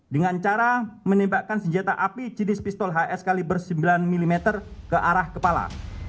dengan cara menembakkan senjata api jenis pistol hs kaliber sembilan mm ke arah kepala